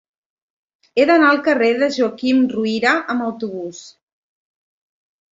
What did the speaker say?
He d'anar al carrer de Joaquim Ruyra amb autobús.